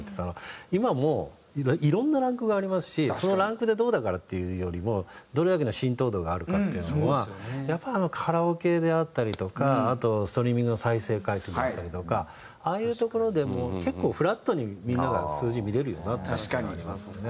今もういろんなランクがありますしそのランクでどうだからっていうよりもどれだけの浸透度があるかっていうのはやっぱりあのカラオケであったりとかあとストリーミングの再生回数だったりとかああいうところでもう結構フラットにみんなが数字見れるようになったっていうのはありますよね。